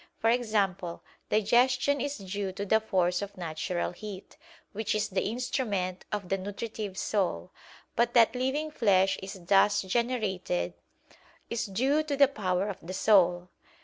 For example, digestion is due to the force of natural heat, which is the instrument of the nutritive soul: but that living flesh is thus generated is due to the power of the soul.